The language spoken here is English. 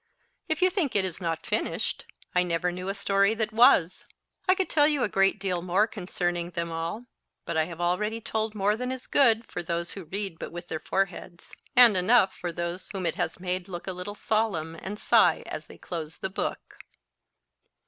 If you think it is not finished—I never knew a story that was. I could tell you a great deal more concerning them all, but I have already told more than is good for those who read but with their foreheads, and enough for those whom it has made look a little solemn, and sigh as they close the book.